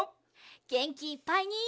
げんきいっぱいに。